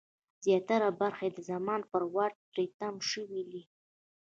زیاته برخه یې د زمان پر واټ تری تم شوې ده.